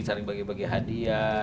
saling bagi bagi hadiah